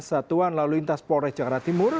satuan lalu lintas polres jakarta timur